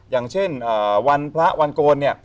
อย่างเช่นวันพระวันโกนเนี่ย